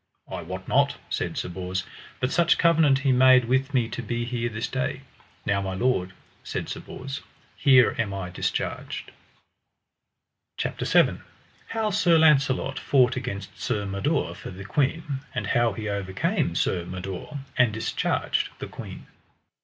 I wot not, said Sir Bors, but such covenant he made with me to be here this day. Now my lord, said Sir Bors, here am I discharged. CHAPTER VII. How Sir Launcelot fought against Sir Mador for the queen, and how he overcame Sir Mador, and discharged the queen.